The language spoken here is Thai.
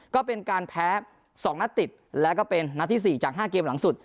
ก็เป็นการแพ้๒นัดติดแล้วก็เป็นนัดที่๔จาก๕เกมหลังสุด